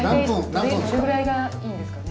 大体どれぐらいがいいんですかね？